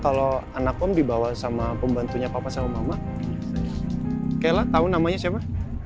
kalau anak om dibawa sama pembantunya papa sama mama kela tahu namanya siapa